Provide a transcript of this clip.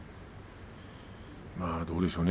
どうでしょうね